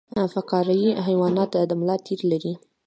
فقاریه حیوانات د ملا تیر لري